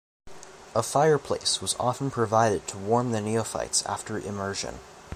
A fireplace was often provided to warm the neophytes after immersion.